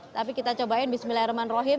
tapi kita cobain bismillahirrahmanirrahim